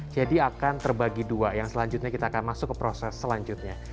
jadi akan terbagi dua yang selanjutnya kita akan masuk ke proses selanjutnya